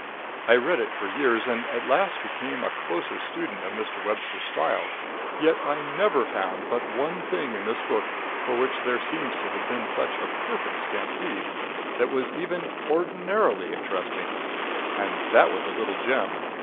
I read it for years, and at last became a close student of Mr. Webster's style, yet I never found but one thing in this book, for which there seems to have been such a perfect stampede, that was even ordinarily interesting, and that was a little gem.